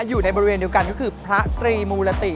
อยู่ในบริเวณเดียวกันก็คือพระตรีมูลติ